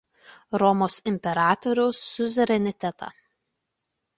Romos imperatoriaus siuzerenitetą.